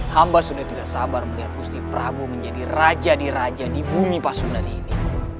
hamba sudah tidak sabar melihat gusti prabu menjadi raja di raja di bumi pasundari ini